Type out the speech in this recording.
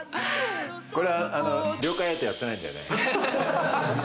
これ、了解得てやってないんだよね。